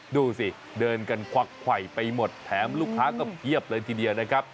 ดูสิเดินกันควักไขว่ไปหมดแถมลูกค้าก็เพียบเลยทีเดียวนะครับ